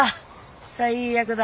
最悪だ！